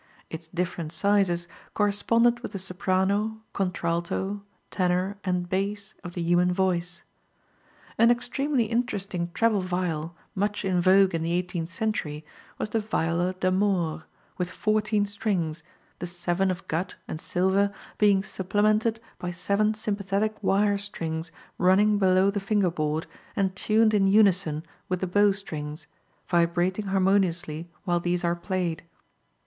Its different sizes corresponded with the soprano, contralto, tenor and bass of the human voice. An extremely interesting treble viol much in vogue in the eighteenth century was the viola d'amore, with fourteen strings, the seven of gut and silver being supplemented by seven sympathetic wire strings running below the finger board and tuned in unison with the bowstrings, vibrating harmoniously while these are played.